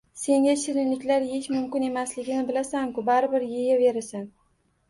Senga shiriniklar yeyish mumkin emasligini bilasan-ku, baribir yeyaverasan.